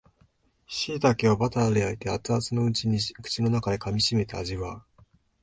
しいたけをバターで焼いて熱々のうちに口の中で噛みしめ味わう